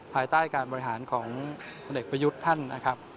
ภายใต้การบริหารของผลเอกประยุทธ์ท่านนะครับ